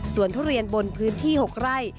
ส่วนทุเรียนบนพื้นที่๖ไร่